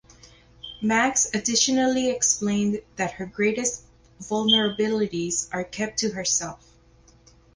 Max additionally explained that her greatest vulnerabilities are kept to herself.